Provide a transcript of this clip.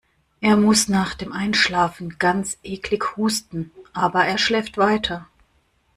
Er muss nach dem Einschlafen ganz eklig husten, aber er schläft weiter.